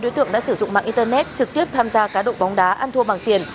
đối tượng đã sử dụng mạng internet trực tiếp tham gia cá độ bóng đá ăn thua bằng tiền